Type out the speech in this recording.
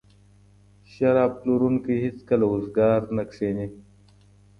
شراب پلورونکی هیڅکله وزګار نه کښیني.